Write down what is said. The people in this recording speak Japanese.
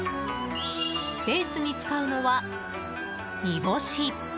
ベースに使うのは煮干し。